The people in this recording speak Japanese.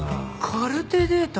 カルテデータ